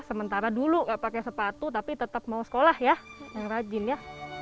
sementara dulu nggak pakai sepatu tapi tetap mau sekolah ya yang rajin ya